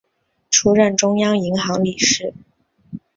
出任中央银行理事。